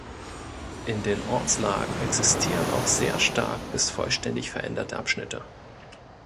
In den Ortslagen existieren auch sehr stark bis vollständig veränderte Abschnitte.